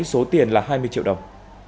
số tiền là hai mươi triệu đồng